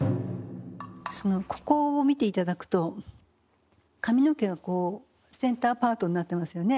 ここを見て頂くと髪の毛がこうセンターパートになってますよね。